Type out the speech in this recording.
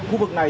khu vực này